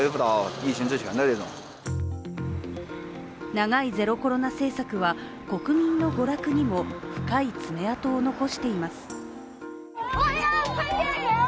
長いゼロコロナ政策は国民の娯楽にも深い爪痕を残しています。